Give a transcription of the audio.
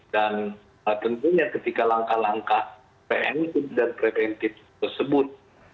dan tentunya ketika langkah langkah preventif dan preventif tersebut